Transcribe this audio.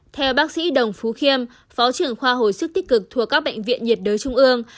theo bác sĩ đồng phú khiêm phó trưởng khoa hồi sức tích cực thuộc các bệnh viện nhiệt đới trung ương